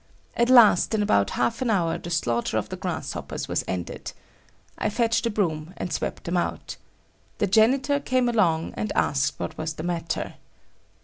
At last, in about half an hour the slaughter of the grasshoppers was ended. I fetched a broom and swept them out. The janitor came along and asked what was the matter.